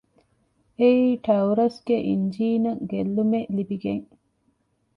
އެއީ ޓައުރަސްގެ އިންޖީނަށް ގެއްލުމެއް ލިބިގެން